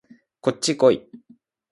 こっちこい